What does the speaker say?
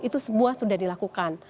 itu semua sudah dilakukan